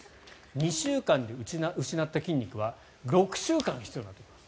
２週間で失った筋肉は６週間必要になってきます。